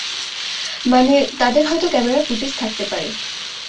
মানে, তাদের হয়তো ক্যামেরার ফুটেজ থাকতে পারে।